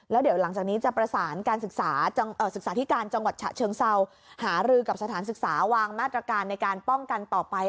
แล้วเดี๋ยวหลังจากนี้จะประสานการศึกษาธิการจังหวัดฉะเชิงเซาหารือกับสถานศึกษาวางมาตรการในการป้องกันต่อไป